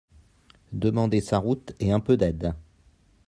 Demander sa route et un peu d'aide.